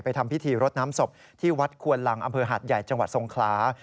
ทำพิธีรดน้ำศพที่วัดควนลังอำเภอหาดใหญ่จังหวัดทรงคลา